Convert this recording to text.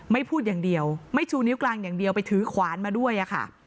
พูดอย่างเดียวไม่ชูนิ้วกลางอย่างเดียวไปถือขวานมาด้วยอะค่ะ